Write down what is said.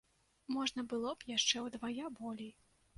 Можна было б яшчэ ўдвая болей.